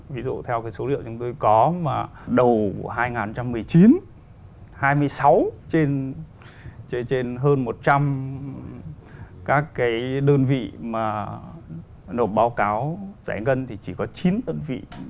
ví dụ theo cái số liệu chúng tôi có mà đầu hai nghìn một mươi chín hai mươi sáu trên hơn một trăm linh các cái đơn vị mà nộp báo cáo giải ngân thì chỉ có chín đơn vị